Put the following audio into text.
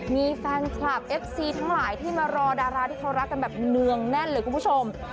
มีแฟนคลับเอฟซีทั้งหลายที่มารอดาราที่เขารักกันแบบเนืองแน่นเลยคุณผู้ชม